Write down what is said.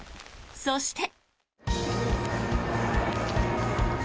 そして。